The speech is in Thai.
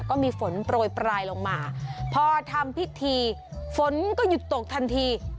ก็มีฝนโปรยปลายลงมาพอทำพิธีฝนก็หยุดตกทันที